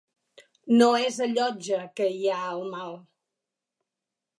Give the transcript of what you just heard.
No és a Llotja que hi ha el mal